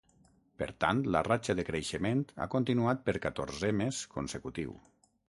Per tant, la ratxa de creixement ha continuat per catorzè mes consecutiu.